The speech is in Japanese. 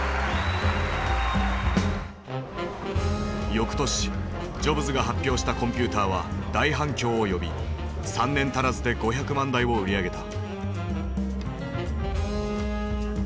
翌年ジョブズが発表したコンピューターは大反響を呼び３年足らずで５００万台を売り上げた。